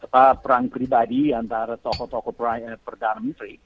perang pribadi antara tokoh tokoh perdana menteri